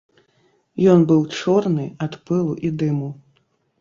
Ён быў чорны ад пылу і дыму.